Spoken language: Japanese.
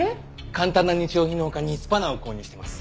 簡単な日用品の他にスパナを購入してます。